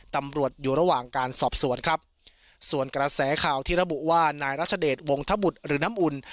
ตำรวจอยู่ระหว่างการสอบสวนครับส่วนกระแสข่าวที่ระบุว่านายรัชเดชวงธบุตรหรือน้ำอุ่น